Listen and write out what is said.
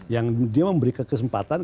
yang dia memberikan kesempatan ke partai